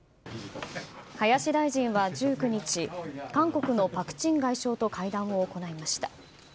林大臣は１９日、韓国のパク・チン外相と会談を行いました。